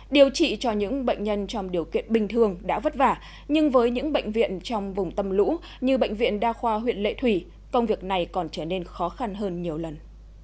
điều trị cho những bệnh nhân trong điều kiện bình thường đã vất vả nhưng với những bệnh viện trong vùng tâm lũ như bệnh viện đa khoa huyện lệ thủy công việc này còn trở nên khó khăn hơn nhiều lần